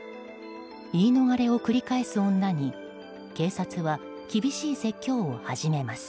言い逃れを繰り返す女に警察は厳しい説教を始めます。